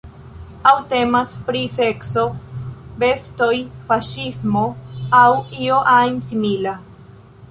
Aŭ temas pri sekso, bestoj, faŝismo aŭ io ajn simila.